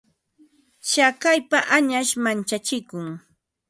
Tsakaypa añash manchachikun.